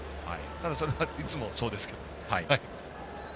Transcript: ただ、それはいつもそうですけど。